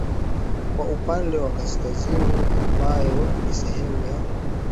Kwa upande wa kaskazini ambayo ni sehemu ya